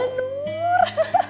ya ampun kak nur